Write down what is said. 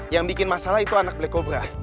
yang bikin masalah itu anak black cobra